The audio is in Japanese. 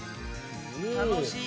楽しい。